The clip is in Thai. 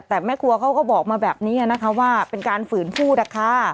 แต่แม่ครัวเขาก็บอกมาแบบนี้นะคะว่าเป็นการฝืนพูดนะคะ